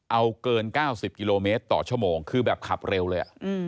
เอาเกิน๙๐กิโลเมตรต่อชั่วโมงคือแบบขับเร็วเลย